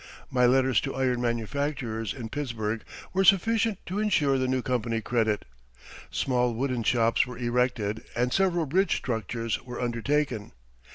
My letters to iron manufacturers in Pittsburgh were sufficient to insure the new company credit. Small wooden shops were erected and several bridge structures were undertaken.